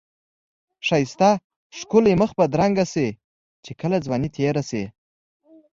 ښایسته ښکلی مخ بدرنګ شی چی ځوانی تیره شی.